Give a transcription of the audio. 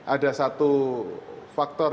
ada satu faktor